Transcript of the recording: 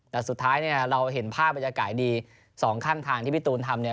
แต่สุดท้ายเราเห็นภาพบรรยากาศดี๒ข้างทางที่พี่ตูนทำ